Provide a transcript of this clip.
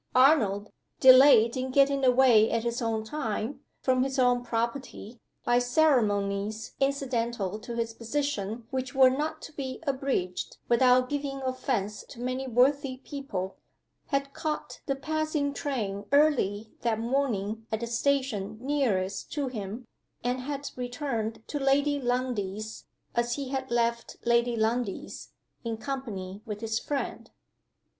Arnold, delayed in getting away at his own time, from his own property, by ceremonies incidental to his position which were not to be abridged without giving offense to many worthy people had caught the passing train early that morning at the station nearest to him, and had returned to Lady Lundie's, as he had left Lady Lundie's, in company with his friend.